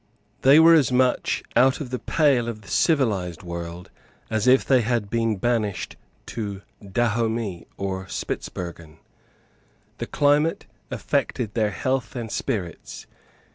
They were as much out of the pale of the civilised world as if they had been banished to Dahomey or Spitzbergen. The climate affected their health and spirits.